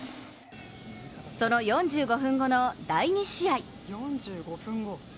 その４５分後の第２試合。